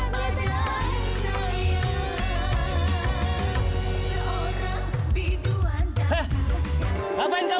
ngapain kamu di sini